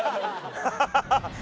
ハハハハ。